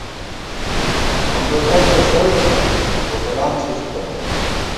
مونگولدم تہ شڑ بِتَنہ ، دوکلام څھِزی تنہ